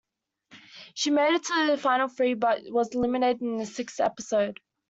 She made it to the final three but was eliminated in the sixth episode.